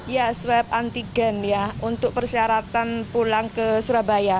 ya swab antigen ya untuk persyaratan pulang ke surabaya